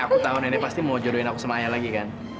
aku tau nenek pasti mau jodohin aku sama ayah lagi kan